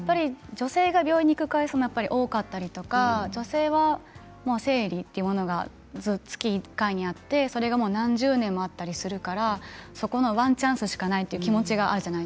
女性が病院に行く回数が多かったり女性は生理というものが月１回あって何十年もあったりするからそのワンチャンスしかないという気持ちがありますよね。